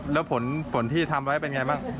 แล้วผลที่ทำไว้เป็นไงบ้าง